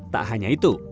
tak hanya itu